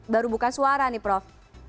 baru buka suara nih prof